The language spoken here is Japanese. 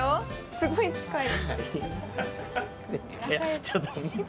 すごい近い。